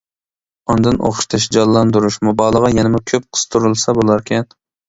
ئاندىن ئوخشىتىش، جانلاندۇرۇش، مۇبالىغە يەنىمۇ كۆپ قىستۇرۇلسا بولاركەن.